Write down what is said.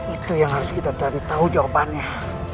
itu yang harus kita cari tahu jawabannya